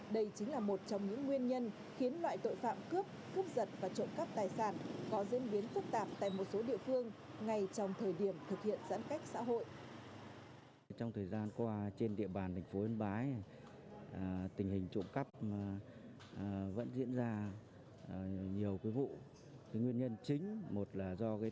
đây chính là một trong những nguyên nhân khiến loại tội phạm cướp cướp giật và trộm cắp tài sản có diễn biến phức tạp tại một số địa phương ngay trong thời điểm thực hiện giãn cách xã hội